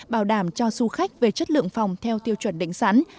bảo đảm cho du khách về chất lượng phòng theo tiêu chuẩn định sẵn